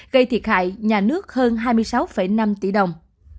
gây thiệt hại nhà nước hơn hai mươi sáu năm tỷ đồng